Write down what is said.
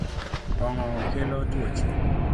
Kong’o kelo tuoche